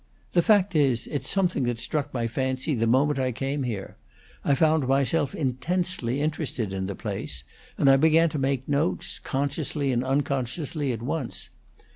"The fact is, it's something that struck my fancy the moment I came here; I found myself intensely interested in the place, and I began to make notes, consciously and unconsciously, at once.